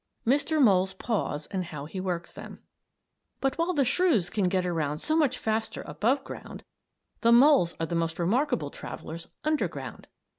MR. MOLE'S PAWS AND HOW HE WORKS THEM But while the shrews can get around so much faster above ground the moles are the most remarkable travellers under ground.